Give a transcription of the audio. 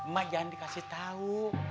mbak jangan dikasih tahu